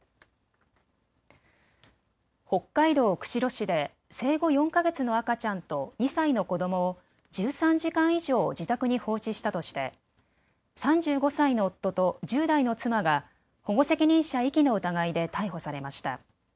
北海道釧路市で生後４か月の赤ちゃんと２歳の子どもを１３時間以上、自宅に放置したとして３５歳の夫と１０代の妻が保護責任者遺棄の疑いで逮捕されました。